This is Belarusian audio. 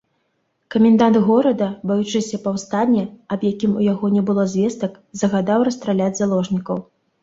Камендант горада, баючыся паўстання, аб якім у яго не было звестак, загадаў расстраляць заложнікаў.